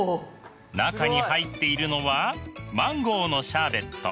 中に入っているのはマンゴーのシャーベット。